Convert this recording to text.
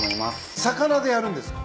魚でやるんですか？